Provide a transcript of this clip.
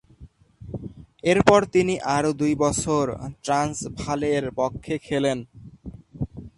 এরপর তিনি আরও দুই বছর ট্রান্সভালের পক্ষে খেলেন।